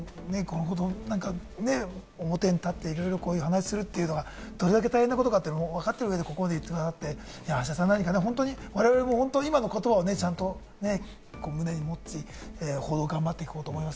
表に立って、こういうことをいろいろ話すというのはどれだけ大変かわかっていて、ここまで言っていただいて、橋田さん、我々も今の言葉をちゃんと胸に持って報道を頑張っていこうと思います。